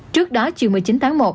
trước đó chiều một mươi chín tháng một